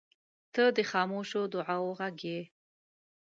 • ته د خاموشو دعاوو غږ یې.